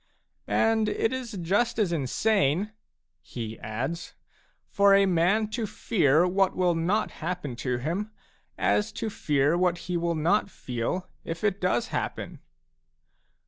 " And it is just as insane," he adds, "for a man to fear what will not happen to him, as to fear what he will not feel if it does happen."